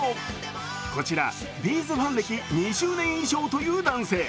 こちら、Ｂ’ｚファン歴２０年以上という男性。